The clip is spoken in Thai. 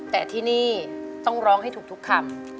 แต่ที่นี่ต้องร้องให้ถูกทุกคำ